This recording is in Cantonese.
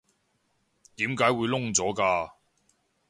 點解會燶咗㗎？